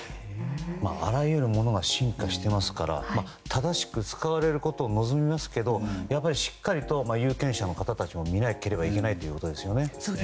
あらゆるものが進化していますから正しく使われることを望みますけどしっかりと有権者の方たちも見なければいけないということですね。